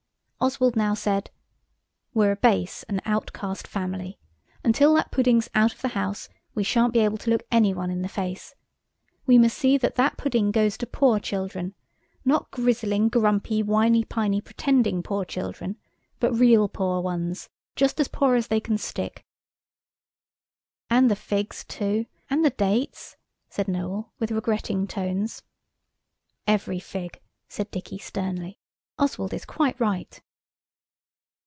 Oswald now said– "We're a base and outcast family. Until that pudding's out of the house we shan't be able to look any one in the face. We must see that that pudding goes to poor children–not grisling, grumpy, whiney piney, pretending poor children–but real poor ones, just as poor as they can stick." "And the figs too–and the dates," said Noël, with regretting tones. "Every fig," said Dicky sternly. "Oswald is quite right."